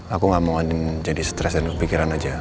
aku gak mau andin jadi stres dan kepikiran aja